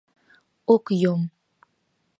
Ок йом...